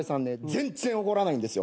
全然怒らないんですよ。